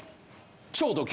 「超ド級！